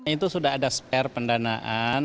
itu sudah ada spare pendanaan